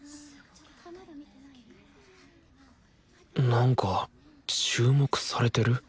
なんか注目されてる？